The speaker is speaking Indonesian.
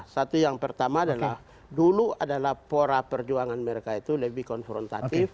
satu yang pertama adalah dulu adalah pora perjuangan mereka itu lebih konfrontatif